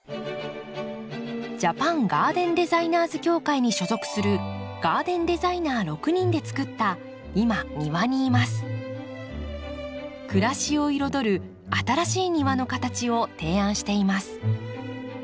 ジャパンガーデンデザイナーズ協会に所属するガーデンデザイナー６人でつくった暮らしを彩る新しい庭の形を提案しています。